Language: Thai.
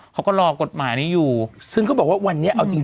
เขาก็รอกฎหมายนี้อยู่ซึ่งเขาบอกว่าวันนี้เอาจริง